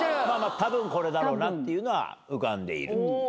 たぶんこれだろうなっていうのは浮かんでいると。